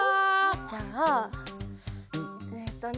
じゃあえっとね。